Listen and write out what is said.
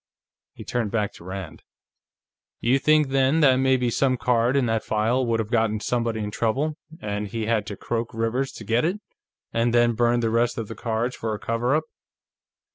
He turned back to Rand. "You think, then, that maybe some card in that file would have gotten somebody in trouble, and he had to croak Rivers to get it, and then burned the rest of the cards for a cover up?"